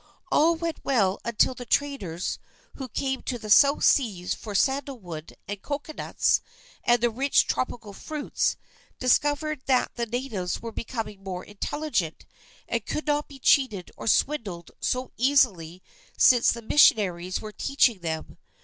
All went well until the traders who came to the South Seas for sandalwood and cocoanuts and the rich tropical fruits, discovered that the natives were becoming more intelligent, and could not be cheated or swindled so easily since the missionaries were teaching them.